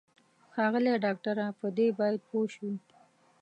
ښاغلی ډاکټره په دې باید پوه شې.